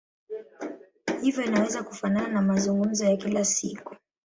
Hivyo inaweza kufanana na mazungumzo ya kila siku.